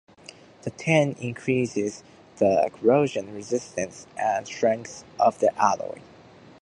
The tin increases the corrosion resistance and strength of the alloy.